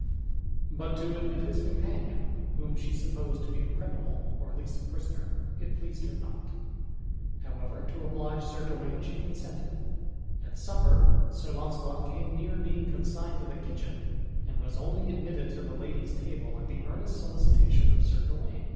But to admit his companion, whom she supposed to be a criminal, or at least a prisoner, it pleased her not; however, to oblige Sir Gawain, she consented. At supper Sir Launcelot came near being consigned to the kitchen and was only admitted to the lady's table at the earnest solicitation of Sir Gawain.